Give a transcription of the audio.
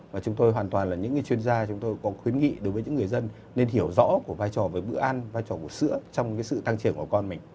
và chúng tôi hoàn toàn là những chuyên gia chúng tôi có khuyến nghị đối với những người dân nên hiểu rõ của vai trò về bữa ăn vai trò của sữa trong sự tăng trưởng của con mình